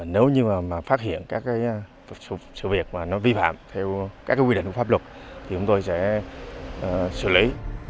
nếu như mà phát hiện các sự việc mà nó vi phạm theo các quy định của pháp luật thì chúng tôi sẽ xử lý